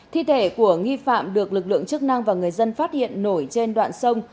thi thể của nghi phạm được lực lượng chức năng và người dân phát hiện nổi trên đoạn sông